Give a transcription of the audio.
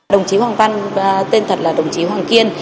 đồng chí hoàng văn tên thật là đồng chí hoàng kiên